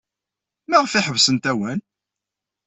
Maɣef ay ḥebsent awal?